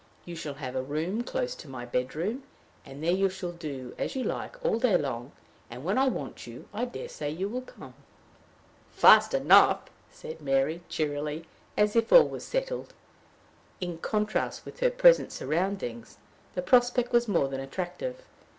"You shall have a room close to my bedroom, and there you shall do as you like all day long; and, when I want you, I dare say you will come." "Fast enough," said Mary, cheerily, as if all was settled. In contrast with her present surroundings, the prospect was more than attractive.